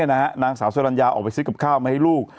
นางสาวสรรญาออกไปซื้อกับข้าวมาให้ลูก